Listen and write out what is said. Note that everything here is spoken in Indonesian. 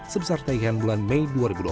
sebesar taihan bulan mei dua ribu dua puluh